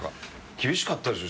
厳しかったでしょ